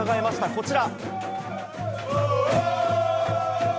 こちら。